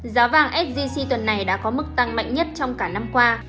giá vàng sgc tuần này đã có mức tăng mạnh nhất trong cả năm qua